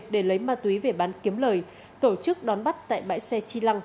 để lấy ma túy về bán kiếm lời tổ chức đón bắt tại bãi xe chi lăng